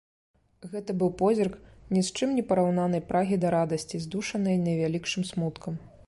Гэта быў позірк ні з чым не параўнанай прагі да радасці, здушанай найвялікшым смуткам.